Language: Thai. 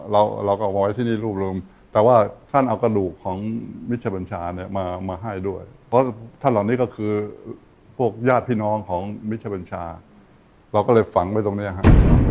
ท่านเข้าไปไว้ที่เกริงวัทธากาเทียมบทเรือกดวกของกระดูกของมิตรชายปัญชา